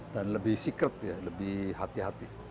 dan lebih secret ya lebih hati hati